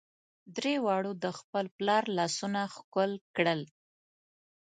درې واړو د خپل پلار لاسونه ښکل کړل.